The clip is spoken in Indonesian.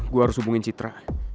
gue harus hubungin citra